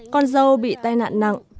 con dâu bị tai nạn nặng